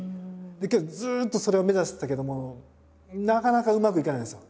けどずっとそれを目指してたけどもなかなかうまくいかないんですよ。